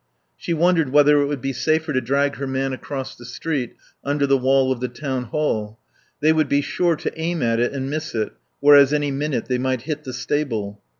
She wondered whether it would be safer to drag her man across the street under the wall of the Town Hall. They would be sure to aim at it and miss it, whereas any minute they might hit the stable.